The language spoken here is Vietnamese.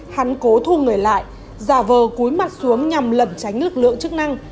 hắn cố thu người lại giả vờ cúi mặt xuống nhằm lẩn tránh lực lượng chức năng